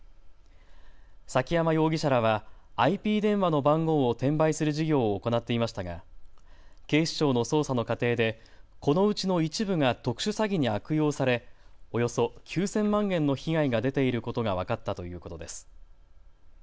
崎山容疑者らはＩＰ電話の番号を転売する事業を行っていましたが警視庁の捜査の過程でこのうちの一部が特殊詐欺に悪用され、およそ９０００万円の被害が出ていることが分かったということです。